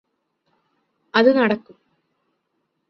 അത് നടക്കും